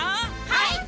はい！